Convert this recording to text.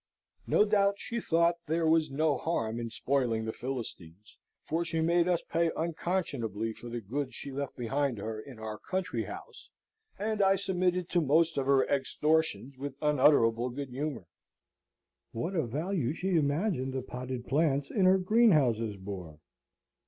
No doubt she thought there was no harm in spoiling the Philistines; for she made us pay unconscionably for the goods she left behind her in our country house, and I submitted to most of her extortions with unutterable good humour. What a value she imagined the potted plants in her greenhouses bore!